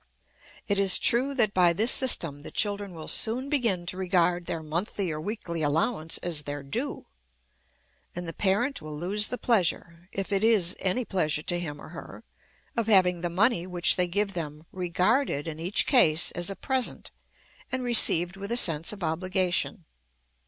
It is true that by this system the children will soon begin to regard their monthly or weekly allowance as their due; and the parent will lose the pleasure, if it is any pleasure to him or her, of having the money which they give them regarded in each case as a present, and received with a sense of obligation.